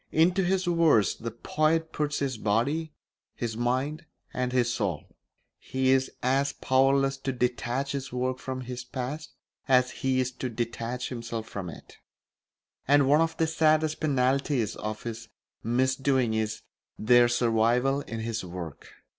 Into his verse the poet puts his body, his mind, and his soul; he is as powerless to detach his work from his past as he is to detach himself from it; and one of the saddest penalties of his misdoings is their survival in his work.